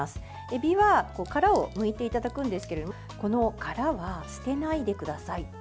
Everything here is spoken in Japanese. エビは、殻をむいていただくんですけれどもこの殻は捨てないでください。